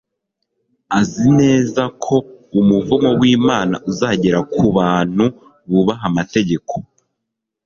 Azi neza ko umuvumo wImana uzagera ku bantu bubaha amategeko